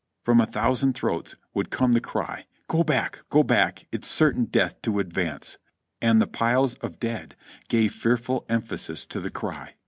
From a thousand throats would come the cry, "Go back, go back ! It's certain death to advance !" and the piles of dead gave fearful emphasis to the cry.